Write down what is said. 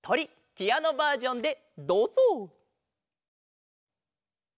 ピアノバージョンでどうぞ！